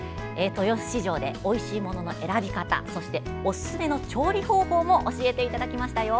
豊洲市場でおいしいものの選び方そして、おすすめの調理方法も教えていただきましたよ。